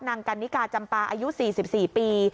นางกันนิกาจำปาอายุ๔๔ปี